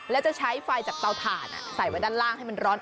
แล้วจะใช้ไฟจากเตาถ่านใส่ไว้ด้านล่างให้มันร้อน